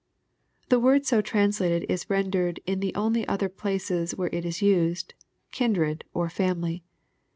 ] The word so translated is rendered in the only other places where it is used, "kindred," or "family."